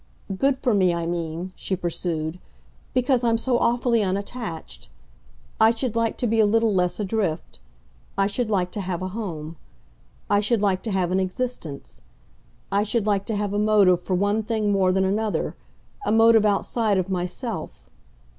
Good for me, I mean," she pursued, "because I'm so awfully unattached. I should like to be a little less adrift. I should like to have a home. I should like to have an existence. I should like to have a motive for one thing more than another a motive outside of myself.